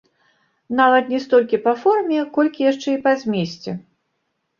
Нават не столькі па форме, колькі яшчэ і па змесце.